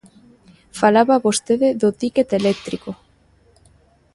Falaba vostede do tícket eléctrico.